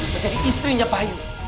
menjadi istrinya payu